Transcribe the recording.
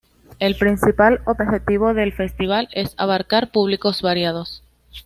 El principal objetivo del festival es abarcar públicos variados.